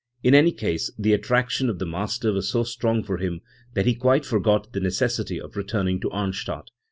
In any case the attraction of the master was so strong for him that he quite forgot the necessity of returning to Arnstadt.